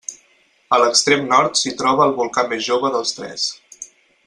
A l'extrem nord s'hi troba el volcà més jove dels tres.